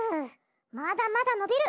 まだまだのびる。